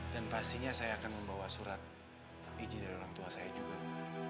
dan pastinya saya akan membawa surat izin dari orang tua saya juga bu